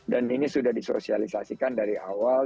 dan ini sudah disosialisasikan dari awal